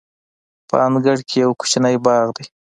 په انګړ کې یو کوچنی باغ دی.